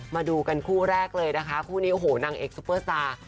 มาดูกันคู่แรกเลยนะคะคู่นี้โอ้โหนางเอกซุปเปอร์สตาร์